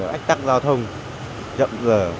ách tắc giao thông chậm dở